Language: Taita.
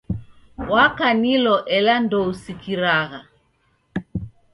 Wakanilo ela ndousikiragha.